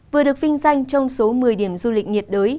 vừa được vinh danh trong số một mươi điểm du lịch nhiệt đới